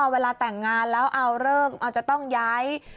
เวลาแต่งงานแล้วเอาเลิกเอาจะต้องย้าย